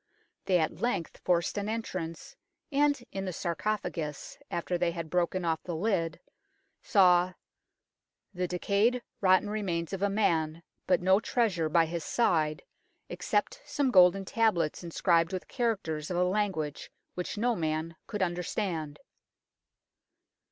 They at length forced an entrance, and in the sarcophagus, alter they had broken off the lid, saw " the decayed, rotten remains of a man, but no treasure by his side, except some golden tablets inscribed with characters of a language which no man could understand."